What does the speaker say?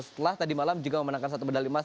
setelah tadi malam juga memenangkan satu medali emas